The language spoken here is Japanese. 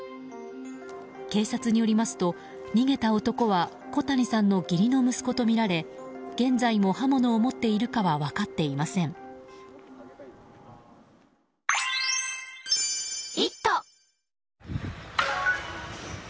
警察によりますと逃げた男は小谷さんの義理の息子とみられ現在も刃物を持っているかは分かっていません。